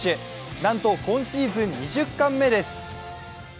なんと今シーズン２０冠目です。